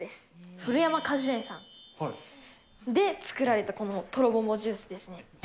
古山果樹園さんで作られたこのとろももジュースですね。